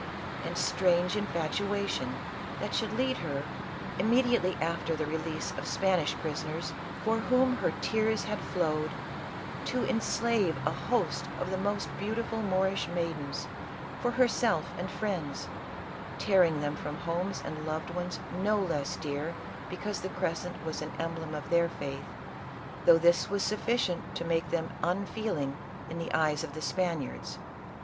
And strange infatuation that should lead her, immediately after the release of Spanish prisoners, for whom her tears had flowed, to enslave a host of the most beautiful Moorish maidens, for herself and friends, tearing them from homes and loved ones no less dear because the cres cent was an emblem of their faith, though this was suf ficient to make them unfeeling in the eyes of the Span iards.